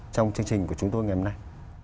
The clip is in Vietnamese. trong chương trình của chúng tôi ngày hôm nay